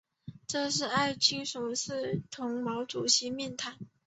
这是艾青首次同毛泽东面谈。